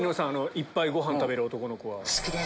いっぱいご飯食べる男の子は。